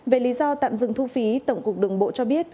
về lý do tạm dừng thu phí tổng cục đường bộ cho biết